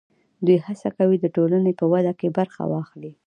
دوی هڅه کوي د ټولنې په وده کې برخه واخلي.